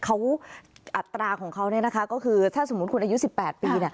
อัตราของเขาเนี่ยนะคะก็คือถ้าสมมุติคุณอายุ๑๘ปีเนี่ย